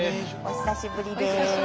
お久しぶりです。